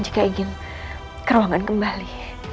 jika ingin keruangan kembali